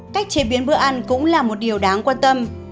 cách chế biến bữa ăn cũng là một điều đáng quan tâm